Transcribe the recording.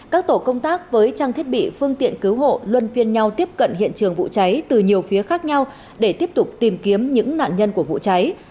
các tổ công tác với trang thiết bị phương tiện cứu hộ luôn phiên nhau tiếp cận hiện trường vụ cháy từ nhiều phía khác nhau để tiếp tục tìm kiếm những nạn nhân của vụ cháy